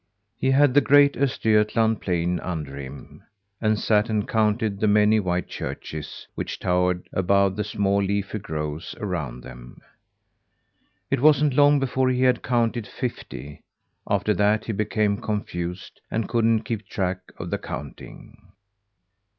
He had the great Östergötland plain under him, and sat and counted the many white churches which towered above the small leafy groves around them. It wasn't long before he had counted fifty. After that he became confused and couldn't keep track of the counting.